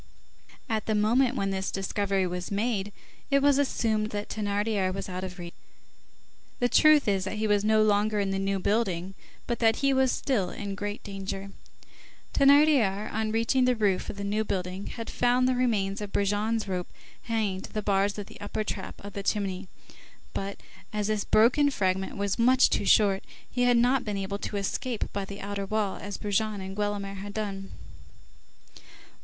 At the moment when this discovery was made, it was assumed that Thénardier was out of reach. The truth is, that he was no longer in the New Building, but that he was still in great danger. Thénardier, on reaching the roof of the New Building, had found the remains of Brujon's rope hanging to the bars of the upper trap of the chimney, but, as this broken fragment was much too short, he had not been able to escape by the outer wall, as Brujon and Guelemer had done.